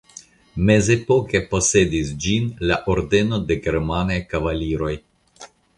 Mezepoke posedis ĝin la Ordeno de germanaj kavaliroj.